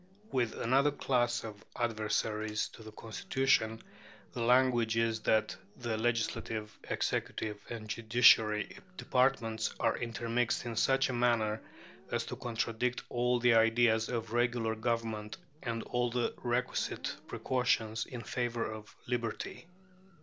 With another class of adversaries to the Constitution, the language is, that the legislative, executive, and judiciary departments are intermixed in such a manner as to contradict all the ideas of regular government and all the requisite precautions in favour of liberty.